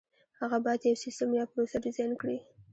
هغه باید یو سیسټم یا پروسه ډیزاین کړي.